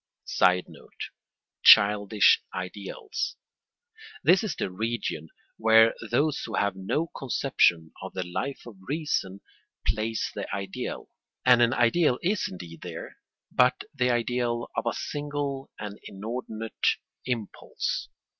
[Sidenote: Childish ideals.] This is the region where those who have no conception of the Life of Reason place the ideal; and an ideal is indeed there but the ideal of a single and inordinate impulse.